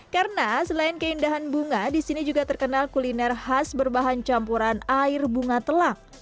karena selain keindahan bunga disini juga terkenal kuliner khas berbahan campuran air bunga telang